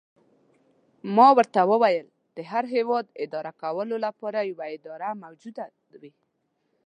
ما ورته وویل: د هر هیواد اداره کولو لپاره یوه اداره موجوده وي.